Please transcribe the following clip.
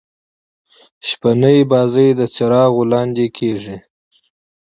شپنۍ بازۍ د څراغو لانديکیږي.